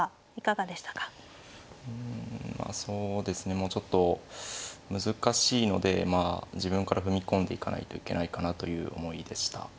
もうちょっと難しいのでまあ自分から踏み込んでいかないといけないかなという思いでした。